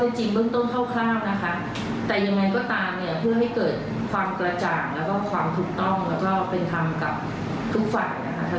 แต่ยังไงก็ตามเนี่ยเพื่อให้เกิดความกระจายแล้วก็ความถูกต้องแล้วก็เป็นทำกับทุกฝ่ายนะคะ